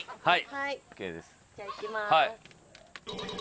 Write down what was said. はい。